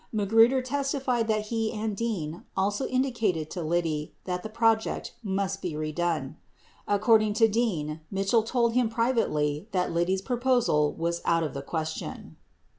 52 Magruder testified that he and Dean also indicated to Liddy that the project must be redone. 53 According to Dean, Mitchell told him privately that Liddy's proposal was out of the question.